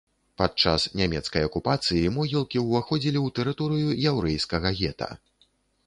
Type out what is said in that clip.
Падчас нямецкай акупацыі могілкі ўваходзілі ў тэрыторыю яўрэйскага гета.